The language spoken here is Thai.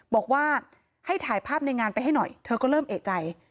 บอกว่าให้ถ่ายภาพในงานไปให้หน่อยเธอก็เริ่มเอกใจ